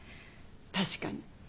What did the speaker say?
確かに。